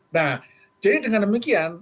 nah jadi dengan demikian